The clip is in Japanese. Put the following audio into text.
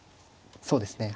そうですね。